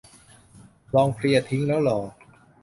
ลองเคลียร์ทิ้งแล้วรอ